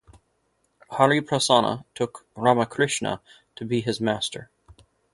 Hariprasanna took Ramakrishna to be his Master.